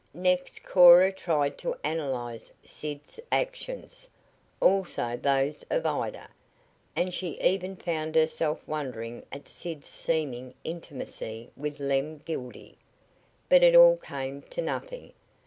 Next Cora tried to analyze Sid's actions, also those of Ida, and she even found herself wondering at Sid's seeming intimacy with Lem Gildy. But it all came to nothing.